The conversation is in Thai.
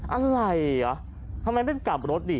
อะไรอ่ะทำไมไม่กลับรถดิ